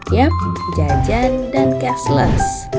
yap jajan dan cashless